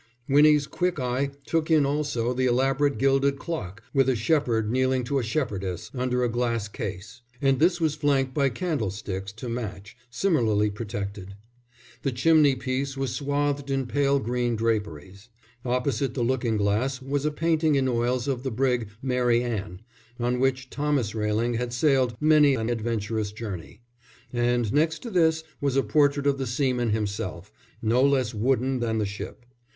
Winnie's quick eye took in also the elaborate gilded clock with a shepherd kneeling to a shepherdess, under a glass case; and this was flanked by candlesticks to match similarly protected. The chimney piece was swathed in pale green draperies. Opposite the looking glass was a painting in oils of the brig Mary Ann, on which Thomas Railing had sailed many an adventurous journey; and next to this was a portrait of the seaman himself, no less wooden than the ship.